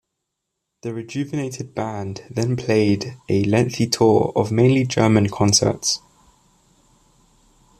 The rejuvenated band then played a lengthy tour of mainly German concerts.